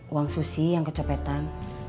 uang susi yang kecepetan